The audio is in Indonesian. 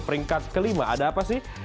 peringkat kelima ada apa sih